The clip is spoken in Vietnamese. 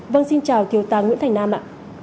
vâng xin chào thiếu tá nguyễn thành nam ạ